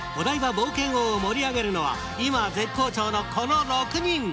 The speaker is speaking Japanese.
冒険王を盛り上げるのは今、絶好調のこの６人。